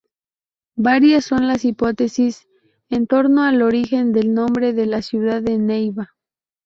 Varias son las hipótesis entorno al origen del nombre de la ciudad de Neiva.